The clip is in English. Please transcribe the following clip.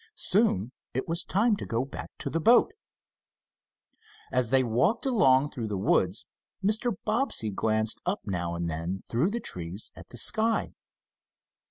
Soon it was time to go back to the boat. As they walked along through the woods, Mr. Bobbsey glanced up now and then through the trees at the sky.